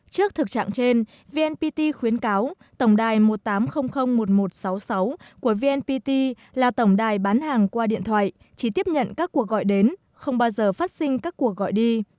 trước thực trạng trên vnpt khuyến cáo tổng đài một tám không không một một sáu sáu của vnpt là tổng đài bán hàng qua điện thoại chỉ tiếp nhận các cuộc gọi đến không bao giờ phát sinh các cuộc gọi đi